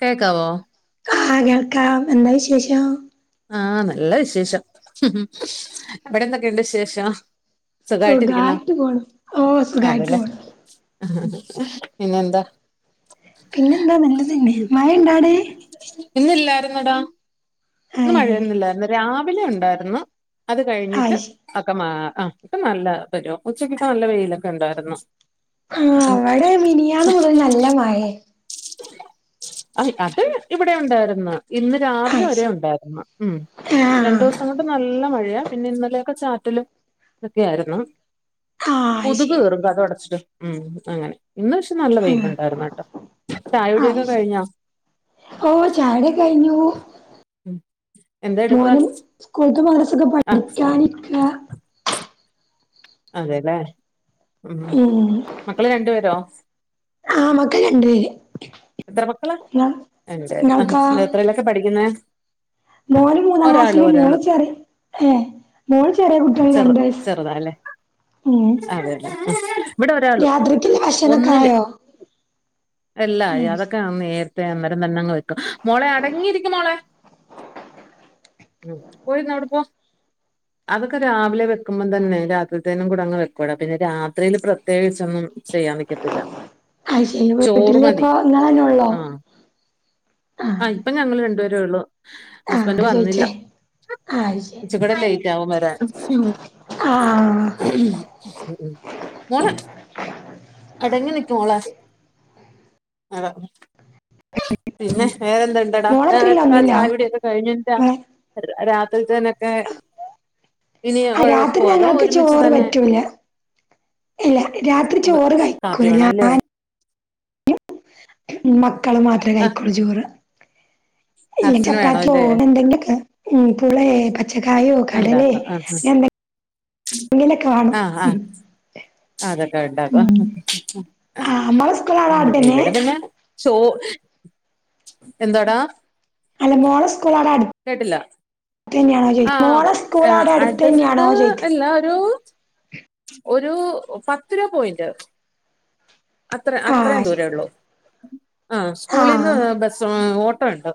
കേക്കാവോ? ആഹ് കേൾക്കാം എന്താ വിശേഷം ആഹ നല്ല വിശേഷം ഇവിടെന്തൊക്കെയുണ്ട് വിശേഷം സുഖായിട്ടിരിക്കുന്നൊ? സുഖായിട്ട് പോണു ഓ സുഖായിട്ട് ആന്നെല്ലേ പോണു പിന്നെന്താ? പിന്നെന്താ നല്ലതെന്നെ മഴെണ്ടാടെ? ഇന്നില്ലായിര്ന്നെടാ ഇന്ന് ഏഹ് മഴയൊന്നില്ലായിരുന്നു രാവിലെ ഉണ്ടായിരുന്നു അത് കഴിഞ്ഞിട്ട് അയ്ശ് ഒക്കെ മാ ആഹ് ഇപ്പ നല്ല പെരുവാ ഉച്ചക്കൊക്കെ നല്ല വെയിലൊക്കെയുണ്ടായിരുന്നു ആഹാ ഇവടെ മിനിയാന്ന് മുതല് നല്ല മഴെ ആഹ് അത് ഇവിടെയുണ്ടായിരുന്നു ഇന്ന് രാവിലെ അയ്ശ് വരെ ഉണ്ടായിരുന്നു ഉം ആഹ് രണ്ടൂസം അങ്ങോട്ട് നല്ല മഴയാ പിന്നെ ഇന്നലെയൊക്കെ ചാറ്റലും ഇതൊക്കെയായിരുന്നു ആഹ് അയ്ശരി ഉം അങ്ങനെ ഇന്ന് പക്ഷെ നല്ല ആഹ് വെയിലുണ്ടായിരുന്ന്ട്ടോ ചായൊടിയൊക്കെ അയ്ശരി കഴിഞ്ഞോ? ഓ ചായൊടിയൊക്കെ കഴിഞ്ഞു ഉം എന്താ എടുക്കുവാ മോനും സ്കൂൾത്തും മദ്രസത്തെക്കെ ആ പഠിക്കാനിരിക്ക അതെലെ ഉം മക്കള് രണ്ട് പേരോ? ആ മക്കൾ രണ്ടു പേര് എത്ര മക്കളാ. ഇങ്ങൾ രണ്ട് പേര്. ഇങ്ങൾക്കോ ആ എത്രല്ലൊക്കെ പഠിക്കുന്നേ? മോന് മൂന്നാം ഒരാള് ക്ലാസ്സില് ഒരാള് മോള് ചെറി ഏഹ് മോൾ ചെറിയ കുട്ടിയാണ് രണ്ട് വയസ്സ് ചെറുതാണ് അല്ലേ ഉം ഇവിടെ ഒരാള് രാത്രിക്ക്ള്ള ഭക്ഷണംക്കെ ആയോ ഇല്ല ആഹ് യതൊക്കെ താണ് നേരത്തെ അന്നേരം തന്നെ അങ്ങ് വെക്കും മോളെ അടങ്ങിയിരിക്കും മോളെ ഉം ഉ അതൊക്കെ രാവിലെ വെക്കുമ്പോം തന്നെ രാത്രിത്തേന്നും കൂടെ അങ്ങ് വെക്കൂടാ പിന്നെ രാത്രിൽ പ്രത്യേകിച്ചൊന്നും ചെയ്യാൻ നിക്കത്തില്ല അത് ശരി വീട്ടില് പ്പോ നിങ്ങളാ ആഹ് ആ ഇപ്പം ഞങ്ങൾ രണ്ട് പേരുള്ളു ആഹ് ഹസ്ബൻഡ് അതാ വന്നില്ല ചോയിച്ചേ ആഹ് അത് ശരി ഇച്ചികൂടെ ലെയിറ്റവും വരാൻ ആഹ് മോളെ അടങ്ങി നിക്കും മോളെ അതാ പിന്നെ വേറെന്ത ഇണ്ടടാ ഏ മോളെത്രയിലാ ആ ഒന്നിലോ? ചായ കുടിയൊക്കെ കഴിഞ്ഞിന്താ മോളെ അടുകള രാത്രിത്തേനോക്കെ ഇനി ആഹ് ഒഴ രാത്രി വെക്കൂ അതോ ഞങ്ങൾക്ക് ഒരുമിച്ച് ചോറ് തന്നെ പറ്റൂല. ഇല്ല രാത്രി ഉവ്വ് ചോറ് കാപ്പി കഴിക്കൂല വേണ അല്ലേ ഞാൻ മക്കള് മാത്രേ ആഹ് കൈക്കൊള്ളൂ ചോറ് ഇല്ല ഹസ്സിന് വേണം ചപ്പാത്തി അല്ലേ ഓഡ് ണ്ടെങ്കി അ് ന്ക്കിവിടെ [inaudible] പച്ചക്കായോ കടലേ ഉണ്ടാക്കാം ആഹ് എന്തൊ എന്തെങ്കിലൊക്കെ കാണും ആഹ് ആഹ് അതൊക്കെ ഉണ്ടാക്കും ആഹ് മോളെ സ്കൂള് അവടെ അടുത്തന്നെ? ഇവിടെ പിന്നെ ച്ചോ എന്താടാ അല്ല മോള സ്കൂളാ അടു തന്നെയാണോ ആ ചോദിക്ക മോളെ കൊഴച്ച് സ്കൂൾ ആ അവിടെ അടുത്ത് തന്നെയാണോ അടുത്തടുത്ത് ചോദിക്ക ഇല്ല ഒരു ഒരു പത്ത് രൂപ പോയിന്റ് അത്ര ആഹ് അത്രേയും ശരി ദൂരേ ഉള്ളൂ ആ സ്കൂളിന്ന് ആഹ് ബസ് ഓട്ടോ ഉണ്ട്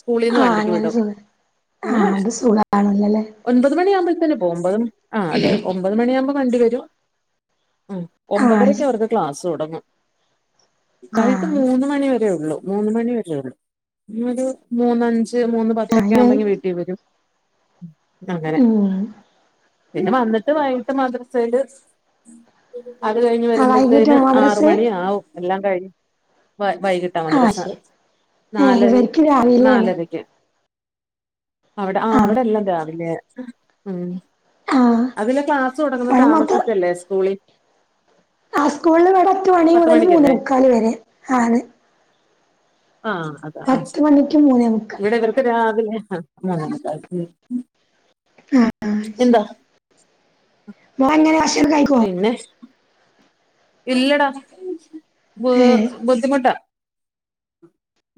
സ്കൂളിന്ന് ആഹ് വണ്ടിക്ക് അങ്ങനെ വിടും സുഖ ആഹ് അത് സ്‌കൂളാണുന്നല്ലേ ഒൻമ്പത് മണിയാകുമ്പോത്തന്നെ പോവും അമ്പതും ആ അതെ ഒമ്പത് മണിയാകുമ്പോൾ വണ്ടി വരും. ഉം ആഹ് ഒമ്പതരക്ക് ശരി അവർക്ക് ക്ലാസ് തുടങ്ങും വൈകിട്ട് ആഹ് മൂന്ന് മണി വരേ ഉള്ളൂ മൂന്ന് മണി വരെ ഉള്ളൂ ഒരു മൂന്നഞ്ച് മൂന്ന് പത്തൊക്കെ ആഹ് ആവുമ്പത്തേക്ക് വീ ട്ടിൽ വരും അങ്ങനെ ഉം പിന്നെ വന്നിട്ട് വൈകിട്ട് മദ്രസയില് അത് കഴിഞ്ഞ് ആഹ് വരുമ്പോഴത്തേന് വൈകിട്ടാണോ ആറു മദ്രസ് മണി ആവും എല്ലാം കഴിഞ്ഞ് വൈ വൈകിട്ട് ട്ട ആഹ് മദ്രസ ശരി ഏഹ് നാലരെ ഇവർക്ക് രാവിലെയാണ് നാലരയ്ക്ക് അവിടെ ആ ആഹ് അവിടെല്ലാം രാവിലെയ ഉം ആഹ് അതില് ക്ലാസ് തുടങ്ങുന്നത് അവിടെ മൊത്തം താമസിച്ചല്ലേ സ്കൂളിൽ ആ സ്കൂളിൽ ഇവിടെ എട്ട്മണി മുതൽ മൂന്ന് മുക്കാല് വരെ ആതെ ആഹ് അത് ആ പത്ത് ശരി മണിക്ക് മൂന്നേ മുക്കാൽ ഇവിടെ ടെ രാവിലെ അ മൂന്നേമുക്കാല് ആ ആഹ് അത് ശരി മോൻ എങ്ങനെ ഭക്ഷണം കഴി പിന്നെ ഇല്ലെടാ ബ് ഏഹ് ബുദ്ധിമുട്ടാ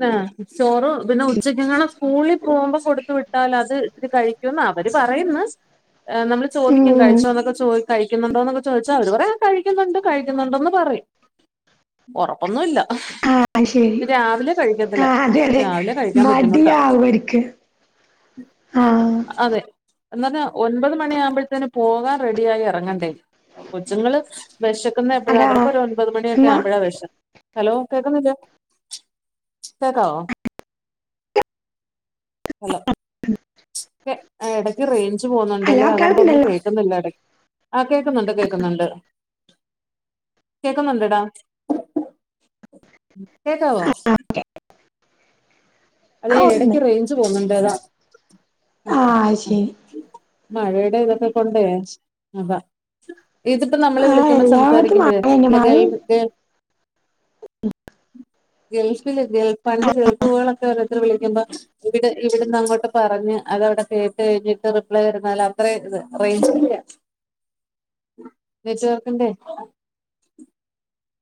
ആഹ് ചോറ് പിന്നെ ഉച്ചക്കങ്ങാള സ്കൂളിൽ പോവുമ്പ കൊടുത്തു വിട്ടാല് അത് ഇത് കഴിക്കുംന്ന് അവര് പറയുന്നു നമ്മള് ചോദിക്ക ഉം കഴിച്ചോ എന്നൊക്കെ ചോ ദിച്ചകഴിക്കുന്നുണ്ടോ എന്നൊക്കെ ചോദിച്ചാ അവർ പറയ കഴിക്കുന്നുണ്ട് കഴിക്കുന്നുണ്ടന്ന് പറയും ഒറപ്പൊന്നുല്ല ആഹ് ശരി രാവിലെ ആ കഴിക്കത്തില്ല അതെ അതെ രാവിലെ കഴിക്കാൻ ബുദ്ധിമുട്ടാ. മടിയാവും അവർക്ക് ആ അതെ. എന്നിട്ട് ഒൻപത് മണിയ ആകുമ്പോഴത്തേന് പോകാൻ റെഡിയായി റങ്ങണ്ടേ കൊച്ചുങ്ങള് വെഷക്കുന്നെ എപ്പോഴാ അതാ അവർക്കൊ ഒരു ഒൻമ്പത് മണിയക്കെ എന്നാ ആവുമ്പഴാ വെശം ഹലോ കേക്ക്ന്നില്ല കേക്കാവോ? ഹലോ ച്ച് എ എടയ്ക്ക് റേഞ്ച് അല്ല പോന്നുണ്ടല്ലേ അതോണ്ടൊന്നും കേൾക്കുന്നില്ല കേ [unintelligible] ആ കേൾക്കുന്നുണ്ട് കേൾക്കുന്നുണ്ട്. കേക്കുന്നുണ്ടടാ കേക്കാവോ [inaudible] അതെ ആ ഓ, ഉണ്ട്. എടയ്ക്ക് റേഞ്ച് പോവു ന്നുണ്ട്താ അ ആഹ്. ആ ശരി മഴയുടെ തൊക്കെ കൊണ്ടേ അതാ. ഇതിപ്പോ നമ്മള് ആ വിളിക്കുമ്പോ എല്ലായിടത്തും മഴ സംസാരിക്കുമ്പോഴെ തന്നെ മഴ ല്ലെങ്കി കേൾ ഗൾഫില് ഗൾഫ് പണ്ട് ഗൾഫുകോളൊക്കെ ഓരോര്ത്തര് വിളിക്കുമ്പോ ഇവിടെ ഇവിടുന്ന് അങ്ങോട്ട് പറഞ്ഞ് അതവിടെ കേട്ട്കഴിഞ്ഞിട്ട് റിപ്ലൈ വരുന്നും അത്ര ഇത് റൈഞ്ച് ല്ല. [inaudible] നെറ്റ് വർക്കിന്റെ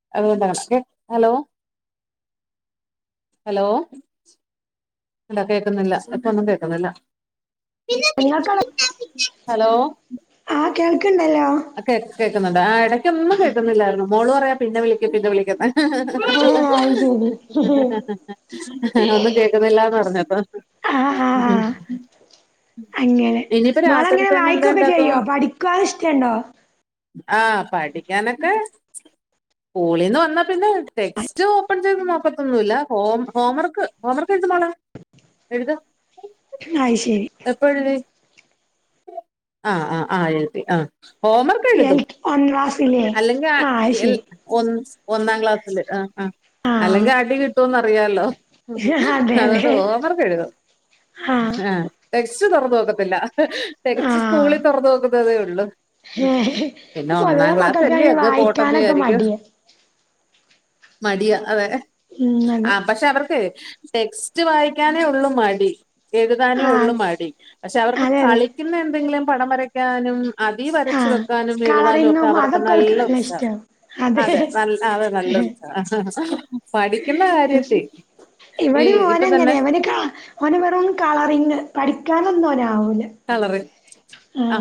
[unintelligible] ഹലോ [unintelligible] ഹലോ ഇല്ല കേക്കുന്നില്ല മറ്റൊന്നും കേൾക്കുന്നില്ല. നിങ്ങൾ കാണ് ഹലോ ആ കേൾക്ക്ണ്ടല്ലോ ആ കേക് കേക്കുന്നുണ്ട് ആ ഇടയ്ക്കൊന്നും കേക്ന്നല്ലായിര്ന്നു മോള് പറയാ പിന്നെ വിളിക് പിന്നെ വിളിക്കെന്ന് ആ അത് ശരി [unintelligible] ഒന്നും കേക്കുന്നില്ലന്ന് പറഞ്ഞപ്പൊ ആ ആ ആ അങ്ങനെ മോള ങ്ങനെ രാത്രിത്തേന് എന്താ വായിക്കുക്കെ ഇണ്ടാക്കും ചെയ്യോ പഠിക്കുവ ഇഷ്ടണ്ടോ? ആഹ് പഠിക്കാനൊക്കെ സ്കൂളിൽന്ന് വന്നാ പിന്നെ ട്ടെക്ക്സ് സ്റ്റ് ഓപ്പൺ ചെയ്ത് നോക്കതോന്നുല്ലാ ഹോം ഹോംമറ്ക്ക് ഹോംമറ്ക്ക് എഴുതുന്നള എഴുത അയ് ശെരി [unintelligible] ആ ആ ആ എത്തി ആ ഹോംവർക്ക് എഴുതും. ഒന്നാസില് അല്ലെങ്കി ആ എൽ ഓന്ന ഒന്നാം ക്ലാസില് ആ ആ. അല്ലെങ്കിൽ അടി കിട്ടുന്ന് അറിയാലോ ഹ് അതെ അതുകൊണ്ട് അതെ ഓവർക്ക് എഴുതും. ആ ആഹ് ടെക്സ്റ്റ് തോറന്ന് നോക്കത്തില്ല അഹ ഹ് തെകച്ച് ആ സ്കൂളിൽ തൊറന്ന് നോക്കുന്നതേ ഉള്ളു ഇപ്പൊ പിന്നെ പൊതുവെ ഒന്നാം ക്ലാ [unintelligible] മക്കൾക്ക് അയിന് അങ്ങ് പോട്ടന്ന് വായിക്കാനൊക്കെ വിചാരിക്കും. മടിയാ മടിയ അതെ ഉം അതെ ആ പക്ഷെ അവർക്ക് ഹ് ടെക്സ്റ്റ് വായിക്കാനേ ഉള്ളു മടി എഴുതാനേ ഉള്ളു ആഹ് മടി പക്ഷെ അവർക്ക് അതെ അതെ കളി പിന്നെ എന്തെങ്കിലും പടം വരയ്ക്കാനും അതി വരച്ച് വെക്കാനും എഴുതാനും ഒക്കെ അവർ ക്കൾക്ക് നല്ല ഇഷ്ട അതെ നല്ല ആ അത നല്ല അ ഹ ഹ ഹാ പഠിക്കുന്ന കാര്യത്തി ഈ ഇവിടിം മോന ഇപ്പൊ തന്നെ ങ്ങനെ വന് കാ ഓന് വെറും കളറിങ്ങ് പഠിക്കാനൊന്നും ഒനാവൂല കളറ് ആ്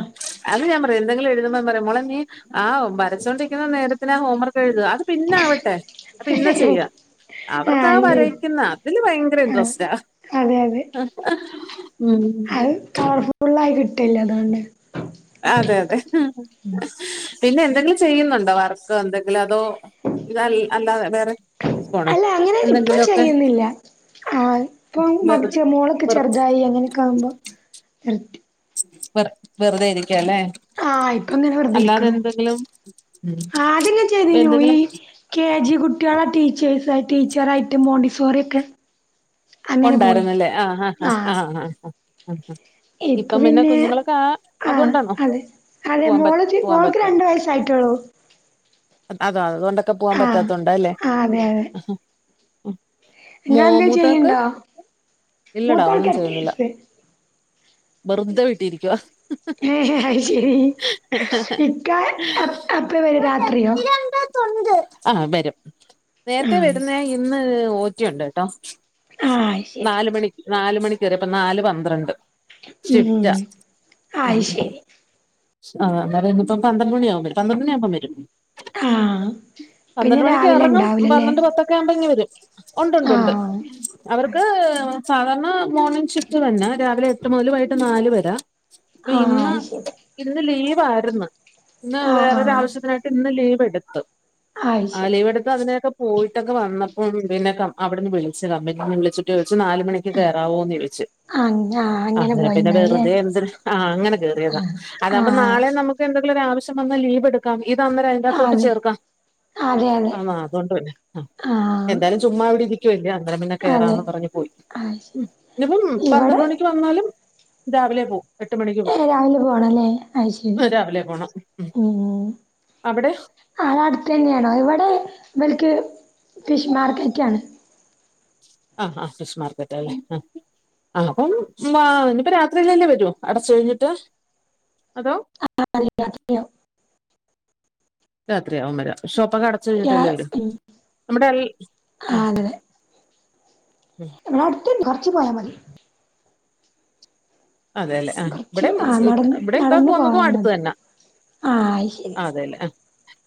അത് ഞാൻ പറയും എന്തെങ്കിലും എഴുതുമ്പോ പറയും മോളെ നീ ആ വരച്ചോണ്ടിക്ന്ന നേരത്തിനാ ഹോംവർക്ക് എഴുത അത് പിന്ന ആവട്ടെ അത് പിന്നെ ചെയ്യാ. ആഹ് അവർക്കാ അത് ശരി വരക്ക്ന്ന അതില് ഭയങ്കര ആഹ് ഇൻട്രസ്റ്റാ. അതെ അതെ. [unintelligible] ഉം കളർഫുള്ള ആയി കിട്ടല്ലേ അതോണ്ടാണ് അതെ അതെ ഹ്.. പിന്നെ എന്തെങ്കിലും ചെയ്യുന്നുണ്ടോ വർ എന്തെങ്കിലും അതോ ഇത് അല്ലാതെ വേറെ. പോണം അല്ല അങ്ങനെ ഇപ്പൊ എന്തെങ്കിലും ഒക്കെ. ചെയ്യുന്നില്ല ആഹ് ഇപ്പൊ [unintelligible] മോളൊക്കെ വെറു ചെറുതായി അങ്ങനെയൊക്കെ ആവുമ്പോ നിർത്തി. ഇപ്പൊ വെറുതെ ഇരിക്കാല്ലേ? ആഹ് ഇപ്പൊ ഇങ്ങനെ വെറുതെ ഇരിക്കാണു ഉം. ആദ്യം ഞാൻ ചെയ്തിനു ഈ എന്തെങ്കിലും കെ ജി കുട്ടിയാളെ ടീച്ചേഴ്സ് ടീച്ചറായിട്ട് മോണ്ടിസോറി യൊക്കെ. ഒണ്ടായിരുന്ന്ല്ലേ ആഹ് ആഹ് ആഹ് ആഹ് ആഹ് ഇപ്പൊ ഇപ്പം പിന്നെ കുഞ്ഞുങ്ങളൊക്കെ ആ ആഹ് അതുകൊണ്ടാണോ അതെ അതെ പോവാൻ പ മോള് പോവാൻ മോൾക്ക് പറ്റാ രണ്ടു വയസ്സായിട്ടോള്ളു. അതാ അത് കൊണ്ടൊക്കെ പോവാൻ ആഹ് പറ്റാത്തോണ്ടല്ലേ ആഹ് അതെ അതെ ആഹ് മോ നിങ്ങളെന്തേലും മൂത്താക്ക് ചെയ്യണ്ടോ ഇല്ലടാ ഒന്നും മൂത്താൾക്ക് എട്ട് ചെയ്യുന്നില്ല. വയസ്സ് വെർതെ വീട്ടിരിക്കുവ. ഏ അയ് ശരി ഇക്ക എപ്പ വെര രാത്രിയോ? ആഹ് ആഹ് വെരും നേർത്തെ ആഹ് വെരുന്നെ ഇന്ന് ഓറ്റിയുണ്ട് ട്ടോ. ആഹ് ശരി നാല് മണിക്ക് നാല്മണിക്കേറിയപ്പ നാലേപന്ത്രണ്ട്. ഉം ഷിഫ്റ്റാ. അത് ശരി ആഹ് അന്നേരം ഇപ്പ പന്ത്രണ്ട് മണിയാവുമ്പ പന്ത്ര മണി ആവ്മ്പ വരും. ആഹ് പിന്നെ പന്ത്രണ്ട് മണിക്ക് രാവിലെ എറങ്ങും ഉണ്ടാവൂലല്ലേ പന്ത്രണ്ടെ പത്താ [unintelligible] വെരും ഉണ്ട്ണ്ട്ണ്ട് ആഹ് അവർക്ക് സാധാരണ മോർണിംഗ് ഷിഫ്റ്റ് തന്നെ രാവിലെ എട്ട് മുതൽ വൈകിട്ട് നാല് വരെ. അപ്പൊ ആഹ് ഇന്ന് അത് ശരി ഇന്ന് ലീവായിരുന്നു ഇന്ന് ആഹ് വേറൊരു ആഹ് ആവശ്യത്തിൻ ഇന്ന് ലീവ് എടുത്തു അത് ആ ശരി ലീവെടു അതിലൊക്കെ പോയിട്ടൊക്കെ വന്നപ്പം പിന്നെക്കെ അവിട്ന്ന് വിളിച്ചതാ [unintelligible] വിളിച്ച്ട്ട് ചോദിച്ചു നാലുമണി ജ് കേറാവോ എന്ന് ചോദിച്ചു. [unintelligible] അങ്ങനെ പിന്നെ പോയിണ്ടാവുല്ലേ വെറുതെ എന്തിന് ആഹ് അങ്ങനെ കേറിയതാ ആഹ് അതാവുമ്പോ ആഹ് നാളെ നമു എന്തെങ്കിലൊരാവശ്യം വന്ന ലീവെടു ക്കാം. ഇത് അന്നേരം അതിറ്റകത്തോട്ട് അതെ ചേർക്കാം അതെ അതെ ആഹ് അതോണ്ട് തന്നെ ആഹ് ആഹ് എന്തായാലും. ചുമ്മാ അവിടെ ഇരിക്കുവല്ലേ അങ്ങനെ പിന്നെ അതെ കേറാന്ന് പറഞ് പോയി. അത് ശരി ഇന്നിപ്പം പന്ത്രണ്ട് ഇവിടെ മണി വന്നാലും രാവിലെ പോകും. എട്ട് മണിക്ക് പോവും രാവിലെ പോണല്ലേ അത് ശരി രാവിലെ പോണം ഉം അവിടെ ആഹ് അതട്ത്തന്നെയാണോ ഇവടെ ഇബൽക്ക് ഫിഷ് മാർക്കറ്റ് ആണ്. ആഹ് ആഹ് ഫിഷ്മാർക്കറ്റാല്ലെ ആഹ് ആഹ് അപ്പം മാ ഇനിപ്പോ രാത്രിയില്ലല്ലേ വരു അടച്ച് കഴിഞ്ഞിട്ട് അതോ. [inaudible] രാത്രിയാവും വരാൻ ഷോപ്പൊക്കെ അടച് രാ കഴിഞ്ഞിട്ടല്ലേ വരു ഉം നമ്മുടെ അൽ ഉം ആഹ് ഉം അട്ത്തെന്നെ കൊർച്ച് പോയാ മതി അതെല്ലേ ആ കൊർച്ച് ഇവിടെ ആഹ് നടന്ന് ഇവിടെ ഇക്കാ നടന്നു പോവുന്നതും പോയാ മതി ആ ശരി. ആഹ് അതെല്ലേ.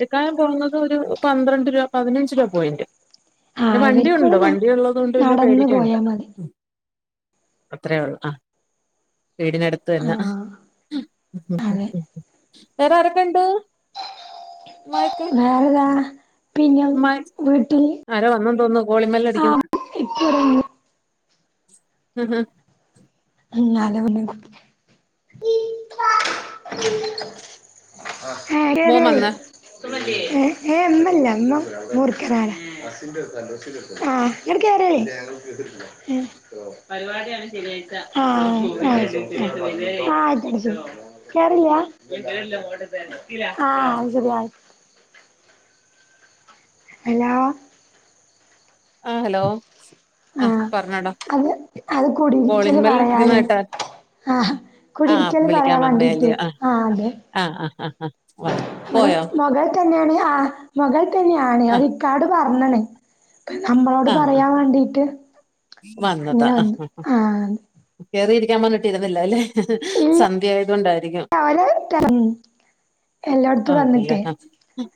ഇക്കായം പോകുന്നത് ഒരു പന്ത്രണ്ട് രൂപ പതിനഞ്ച് രൂപ പോയിന്റ്. പിന്നെ ആഹ് വണ്ടിയുണ്ട് ഇവർക്കിവിടെ ന വണ്ടി ഉള്ളത് കൊണ്ട് പിന്നെ നടന്ന് പേടിക്കേണ്ട. പോയാ മതി അത്രേ ഒള്ളു ആഹ് വീടിനടുത്ത് തന്നെ ആഹ് അതെ വേറെ ആരൊക്കെണ്ട്? [unintelligible] പിന്നെ ഉമ്മ വീട്ടിൽ. ആരോ വന്നു തോന്നുന്നു കോളിഗ് ബെല്ല് അടിക്കുന്നു. [unintelligible] ഹ ഹ [unintelligible] ഏ മോൻ കേറിയോളി വന്നാ ഏ ഇമ്മല്ല [unintelligible] ബസിൻ്റടുത്താ ആഹ് ങ്ങട്ട് കേറിയോളി ഏ, പരിപാടിയാണ് ശനിയാഴ്ച ആഹ് ആഹ് ആഹ് ആഹ് ശരി ശരി. കേറില്ല്യാ ആഹ് അത്ശരി ആഹ്. ഹലോ. ആഹ് ഹലോ. ആ ആഹ് പറഞ്ഞോടാ അത് അത് കുടിയിരിക്കല് കോളിങ് ബെല്ല് അടിക്കുന്ന പറയാന് കേട്ടായിരുന്നു. ആഹ് കുടിയിരിക്കല് പറയാൻ വേണ്ടീട്ട് വന്നേല്ലിയോ ആ ആഹ് അതെ. ആഹ് ആഹ് ആഹ് ആഹ്. വന്നു അവിടെ പോയോ മുകളിൽ തന്നെയാണ് ആഹ് മുകൾ തന്നെയാണ് അവർ ആഹ് ഇക്കയോട് പറഞ്ഞിണ്. നമ്മളോട് ആഹ് ആഹ് പറയാൻ വേണ്ടീട്ട് വന്നതാ അങ്ങനെ വന്നു ആഹ് ആഹ്. കേറിയിരിക്കാൻ പറഞ്ഞിട്ട് ഇരുന്നില്ല അല്ലെ. ഇല്ല സന്ധ്യ ആയതു കൊണ്ടായിരിക്കും. അവര് ഉം. എല്ലായിടത്തും ആഹ് അതല്ലേ വന്നിട്ടേ ആഹ്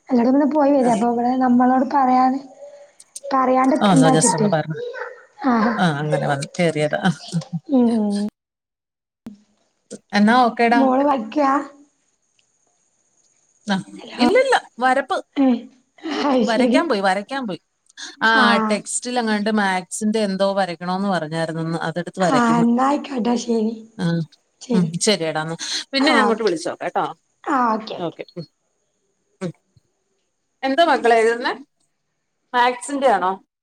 എല്ലാടത്തും പോയി വര്യാ അപ്പൊ ഇവിടെ നമ്മളോട് പറയാതെ. ആഹ് അതൊന്ന് ജസ്റ്റ് ഒന്ന് പറഞ്ഞാ ആ ആഹ് അങ്ങനെ വന്ന് കേറിയതാ ആഹ്. ഉം. എന്നാ ഓക്കെ. മോള് പഠിക്യാ. ആഹ് ഹലോ ഇല്ലലില്ല വരപ്പ്. ഏ അത് ശരി വരയ്ക്കാൻ പോയി, വരയ്ക്കാൻ പോയി ആ ആഹ് ടെക്സ്റ്റി ലെങ്ങാട്ട് മാക്സിന്റെ എന്തോ വരയ്ക്കണോന്ന് പറഞ്ഞായിരുന്നുന്ന് അത് എടു ത്ത് ആ വരക്കുന്നു എന്നായിക്കോട്ടെ ശരി ആഹ്. ഉം ശരി ശരിയെടാ എന്നാ പിന്നെ ഞാൻ അങ്ങോട്ട് വിളിച്ച് നോക്കാം കേട്ടോ. ആഹ്. ഓക്കെ ഉം. ഉം എന്താ മക്കളെയെഴുതുന്നേ മാക്സിന്റെ ആണോ?